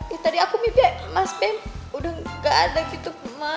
ya tadi aku mimpi mas be udah gak ada gitu ma